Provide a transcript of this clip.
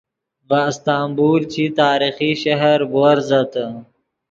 ڤے استنبول چی تاریخی شہر بوورزتے